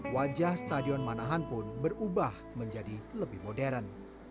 wajah stadion manahan pun berubah menjadi lebih modern